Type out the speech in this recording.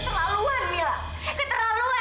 kamu itu betul betul keterlaluan mila